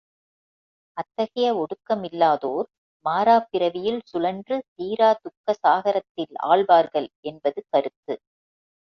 அத்தகைய ஒடுக்கமில்லாதோர் மாறாப் பிறவியில் சுழன்று தீரா துக்க சாகரத்தில் ஆழ்வார்கள் என்பது கருத்து.